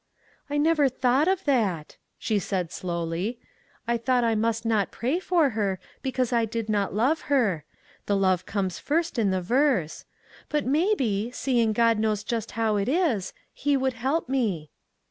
" I never thought of that," she said slowly, " I thought I must not pray for her because I did not love her; the love comes first in the verse; but maybe, seeing God knows just how it is, he would help me."